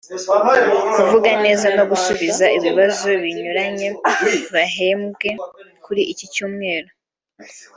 kuvuga neza no gusubiza ibibazo binyuranye bahembwe kuri iki cyumweru